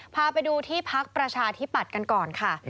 พาไปดูที่พระศาสตร์ที่ปฏกันก่อนค่ะ